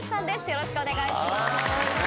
よろしくお願いします。